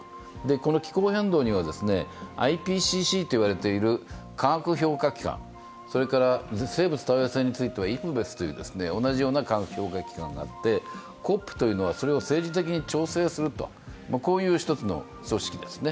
この気候変動には、ＩＰＣＣと呼ばれている科学評価機関、それから生物多様性についてはＩＰＢＥＳという機関があって同じような科学評価機関があって、ＣＯＰというのは政治的に調整するという機関ですね。